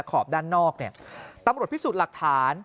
ขอบด้านนอกเนี่ยตำรวจพิสูจน์หลักฐาน